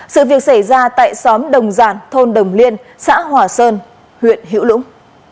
sự việc xảy ra tại xóm đồng giàn thôn đồng liên xã hòa sơn huyện hiễu lũng